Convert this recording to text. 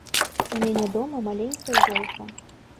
У мяне дома маленькая ёлка.